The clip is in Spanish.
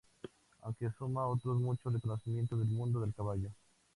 Aunque suma otros mucho reconocimientos del mundo del caballo